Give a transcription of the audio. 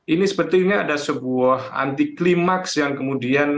ini sebetulnya ada sebuah anti klimaks yang kemudian